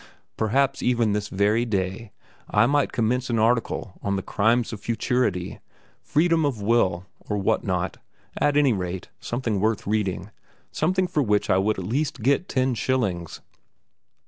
Perhaps even this very day I might commence an article on the "Crimes of Futurity," "Freedom of Will," or what not, at any rate, something worth reading, something for which I would at least get ten shillings....